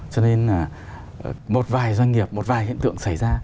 cho nên là một vài doanh nghiệp một vài hiện tượng xảy ra